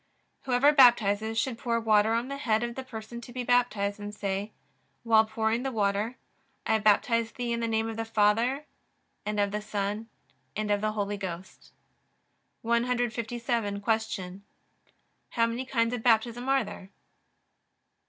Whoever baptizes should pour water on the head of the person to be baptized, and say, while pouring the water: I baptize thee in the name of the Father, and of the Son, and of the Holy Ghost. 157. Q. How many kinds of Baptism are there?